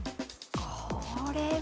これは。